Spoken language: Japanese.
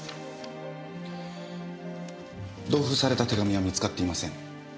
同封された手紙は見つかっていません。